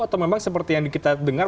atau memang seperti yang kita dengar